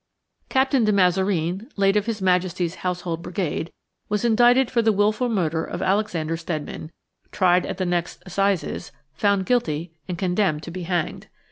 Captain de Mazareen, late of His Majesty's Household Brigade, was indicted for the wilful murder of Alexander Steadman, tried at the next assizes, found guilty, and condemned to be hanged.